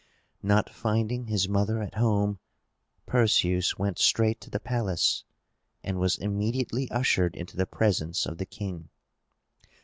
Not finding his mother at home, Perseus went straight to the palace, and was immediately ushered into the presence of the king.